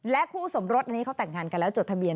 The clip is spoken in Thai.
คู่สมรสนี้เขาแต่งงานกันแล้วจดทะเบียน